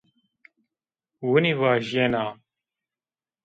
Winî vajîyena